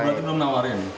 oh berarti belum nawarin